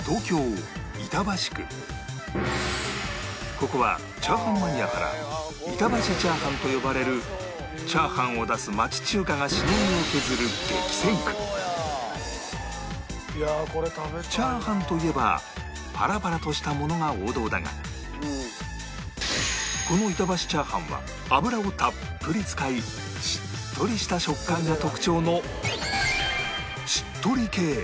ここはチャーハンマニアから板橋チャーハンと呼ばれるチャーハンを出す町中華がしのぎを削る激戦区チャーハンといえばパラパラとしたものが王道だがこの板橋チャーハンは油をたっぷり使いしっとりした食感が特徴のしっとり系